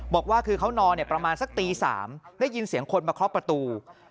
บอกว่าคือเขานอนประมาณสักตี๓ได้ยินเสียงคนมาเคาะประตู